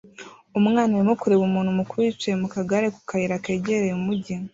Umwana arimo kureba umuntu mukuru yicaye mu kagare ku kayira kegereye umujyi